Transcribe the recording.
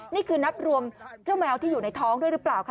นี่คือนับรวมเจ้าแมวที่อยู่ในท้องด้วยหรือเปล่าค่ะ